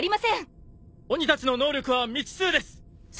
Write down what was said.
鬼たちの能力は未知数です！